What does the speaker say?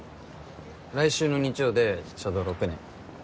来週の日曜でちょうど６年。